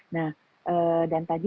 nah dan tadi